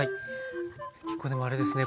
結構でもあれですね